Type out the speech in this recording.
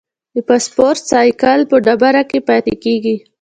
د فوسفورس سائیکل په ډبرو کې پاتې کېږي.